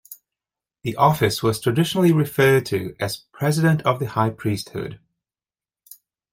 The office was traditionally referred to as President of the High Priesthood.